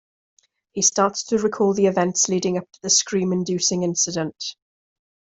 He starts to recall the events leading up to the scream-inducing incident.